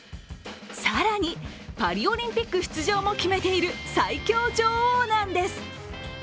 更に、パリオリンピック出場も決めている最強女王なんです。